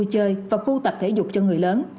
có khu tập thể dục cho người lớn